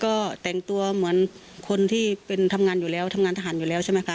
ก็แต่งตัวเหมือนคนที่เป็นทำงานอยู่แล้วทำงานทหารอยู่แล้วใช่ไหมคะ